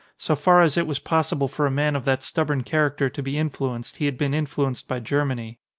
So far as it was possible for a man of that stubborn character to be influenced he had been influenced by Ger many.